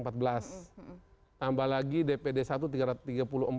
tambah lagi dpd satu tiga ratus tiga puluh empat